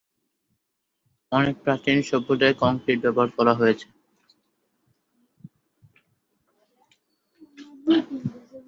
অনেক প্রাচীন সভ্যতায় কংক্রিট ব্যবহার করা হয়েছে।